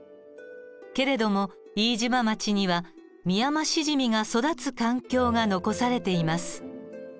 けれども飯島町にはミヤマシジミが育つ環境が残されています。